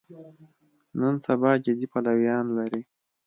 نن سبا جدي پلویان لري.